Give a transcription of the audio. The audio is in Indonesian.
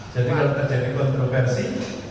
jadi kalau terjadi kontroversi